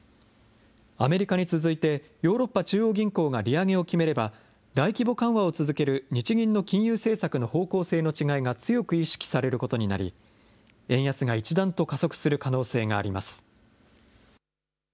アメリカに続いて、ヨーロッパ中央銀行が利上げを決めれば、大規模緩和を続ける日銀の金融政策の方向性の違いが強く意識されることになり、円安が一段と加速する可能性があります。